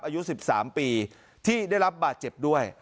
อายุสิบสามปีที่ได้รับบาทเจ็บด้วย